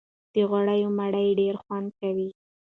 د غوړيو مړۍ ډېره خوند کوي